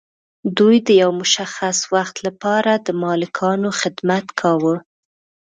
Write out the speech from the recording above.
دوی د یو مشخص وخت لپاره د مالکانو خدمت کاوه.